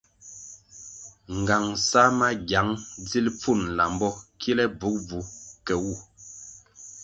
Ngang sa magiang dzil pfun lambo kile bvugubvu ke wu.